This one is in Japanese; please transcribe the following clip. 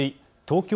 東京